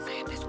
eh dari mana